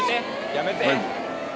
やめて。